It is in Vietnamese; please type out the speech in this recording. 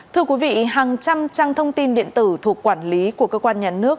thưa quý vị hàng trăm trang thông tin điện tử thuộc quản lý của cơ quan nhà nước